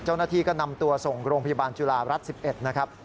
เจ้าหน้าที่ก็นำตัวส่งโรงพยาบาลจุฬารัฐ๑๑นะครับ